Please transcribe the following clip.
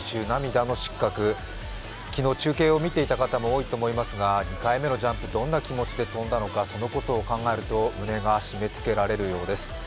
涙の失格、昨日、中継を見ていた方も多いと思いますが、２回目のジャンプ、どんな気持ちで飛んだのかそのことを考えると胸が締めつけられるようです。